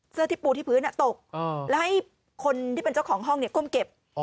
เสื้อที่ปูที่พื้นตกแล้วให้คนที่เป็นเจ้าของห้องก้มเก็บ